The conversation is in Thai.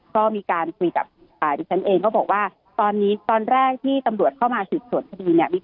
ก็มีการคุยกับดิฉันเองก็บอกว่าตอนนี้ตอนแรกที่ตำรวจเข้ามาสืบสวนคดีเนี่ย